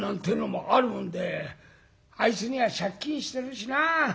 「あいつには借金してるしなあ。